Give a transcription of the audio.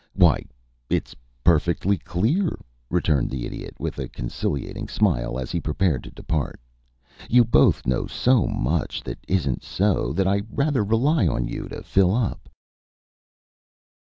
"Why, it's perfectly clear," returned the Idiot, with a conciliating smile as he prepared to depart. "You both know so much that isn't so, that I rather rely on you to fill up."